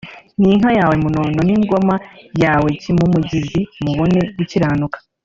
n’inka yawe Munono n’ingoma yawe Cyimumugizi mubone gukiranuka